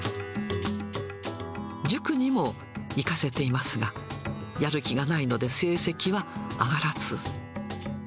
塾にも行かせていますが、やる気がないので、成績は上がらず。